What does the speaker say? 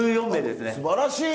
すばらしい！